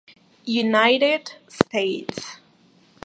United States.